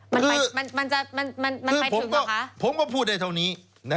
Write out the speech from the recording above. มันไปถึงหรือคะคือคือผมก็พูดได้เท่านี้